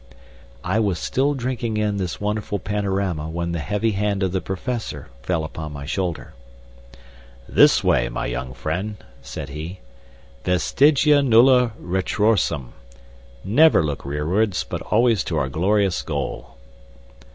I was still drinking in this wonderful panorama when the heavy hand of the Professor fell upon my shoulder. "This way, my young friend," said he; "vestigia nulla retrorsum. Never look rearwards, but always to our glorious goal."